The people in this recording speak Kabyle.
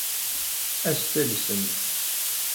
Ad as-talsemt.